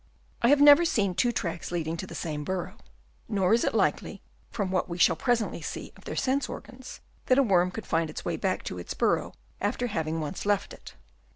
I have never seen two tracks leading to the same burrow ; nor is it likely, from what we shall presently see of their sense organs, that a worm could find its way back to its burrow after having once left it.